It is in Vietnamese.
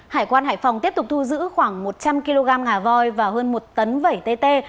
hải quan hải phòng tiếp tục thu giữ khoảng một trăm linh kg ngà voi và hơn một tấn vẩy tt